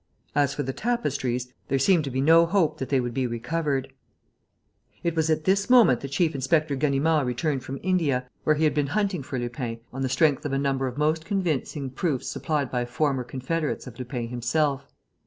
As for the tapestries, there seemed to be no hope that they would be recovered. It was at this moment that Chief inspector Ganimard returned from India, where he had been hunting for Lupin on the strength of a number of most convincing proofs supplied by former confederates of Lupin himself.